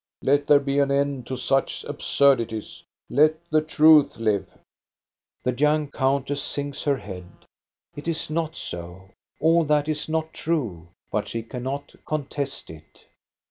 Let there be an end to such absurdities ! Let the truth live !" The young countess sinks her head. It is not so, all that is not true ; but she cannot contest it.